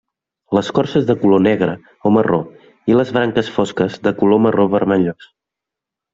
L'escorça és de color negre o marró i les branques fosques de color marró vermellós.